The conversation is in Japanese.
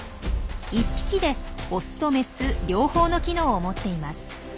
１匹でオスとメス両方の機能を持っています。